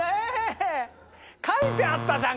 書いてあったじゃん